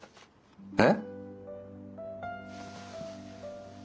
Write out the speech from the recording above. えっ！？